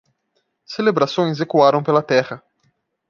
Celebrações ecoaram pela terra.